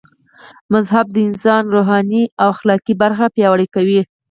مذهب د انسان روحاني او اخلاقي برخه پياوړي کوي